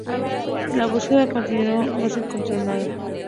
La búsqueda continuó, no se encontró nada.